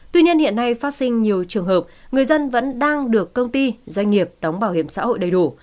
tuy nhiên hiện nay phát sinh nhiều trường hợp người dân vẫn đang được công ty doanh nghiệp đóng bảo hiểm xã hội đầy đủ